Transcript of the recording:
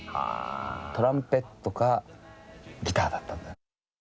トランペットかギターだったんだよね。